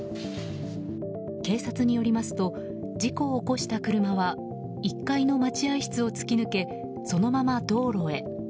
警察によりますと事故を起こした車は１階の待合室を突き抜けそのまま道路へ。